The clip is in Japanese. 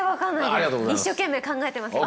一生懸命考えてます。